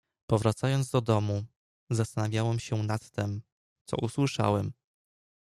"Powracając do domu, zastanawiałem się nad tem, co usłyszałem."